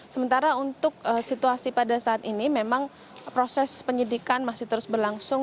sementara untuk situasi pada saat ini memang proses penyidikan masih terus berlangsung